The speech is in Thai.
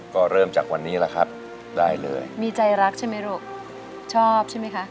ก็เริ่มจากวันนี้แหละครับได้เลยมีใจรักใช่ไหมลูกชอบใช่ไหมคะ